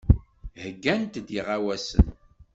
Heyyant-d iɣawasen.